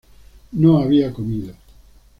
no había comido